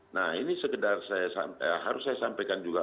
nah ini segedar saya harus saya sampaikan juga